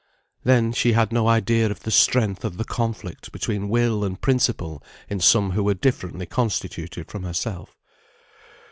Then, she had no idea of the strength of the conflict between will and principle in some who were differently constituted from herself.